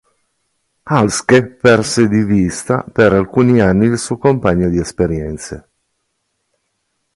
Halske perse di vista per alcuni anni il suo compagno di esperienze.